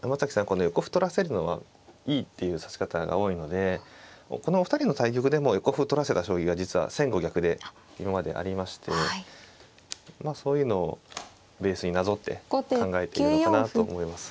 この横歩取らせるのはいいっていう指し方が多いのでこのお二人の対局でも横歩を取らせた将棋が実は先後逆で今までありましてそういうのをベースになぞって考えているのかなと思います。